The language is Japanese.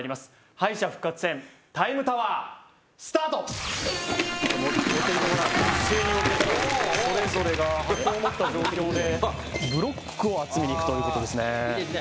敗者復活戦タイムタワースタートそれぞれが箱を持った状況でブロックを集めに行くということですね